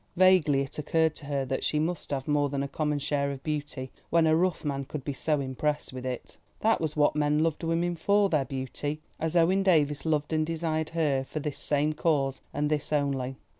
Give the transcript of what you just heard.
Vaguely it occurred to her that she must have more than a common share of beauty, when a rough man could be so impressed with it. That was what men loved women for, their beauty, as Owen Davies loved and desired her for this same cause and this only.